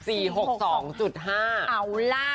เอาล่ะ